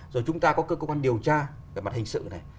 rồi chúng ta có cơ quan điều tra về mặt hình sự này